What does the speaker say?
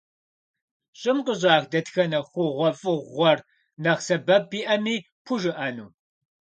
ЩӀым къыщӀах дэтхэнэ хъугъуэфӀыгъуэр нэхъ сэбэп иӀэми пхужыӀэну?